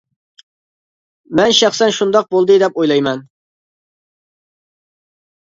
مەن شەخسەن شۇنداق بولدى دەپ ئويلايمەن.